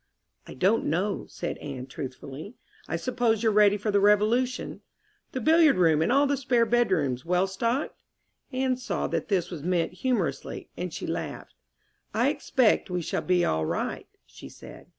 "I don't know," said Anne truthfully. "I suppose you're ready for the Revolution? The billiard room and all the spare bedrooms well stocked?" Anne saw that this was meant humorously, and she laughed. "I expect we shall be all right," she said.